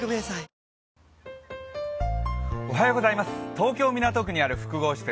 東京・港区にある複合施設